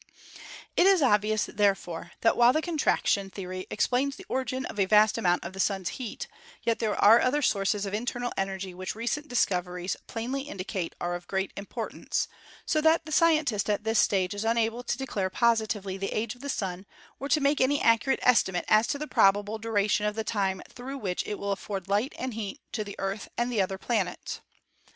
It is obvious, therefore, that while the contraction the ory explains the origin of a vast amount of the Sun's heat, yet there are other sources of internal energy which recent discoveries plainly indicate are of great importance, so that the scientist at this stage is unable to declare positively the age of the Sun or to make any accurate estimate as to the probable duration of the time through which it will afford light and heat to the Earth and the other planets.